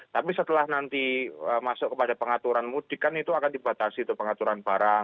tapi setelah nanti masuk kepada pengaturan mudik kan itu akan dibatasi itu pengaturan barang